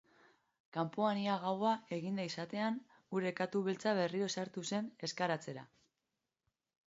Kanpoan ia gaua eginda izatean, gure katu beltza berriro sartu zen ezkaratzera.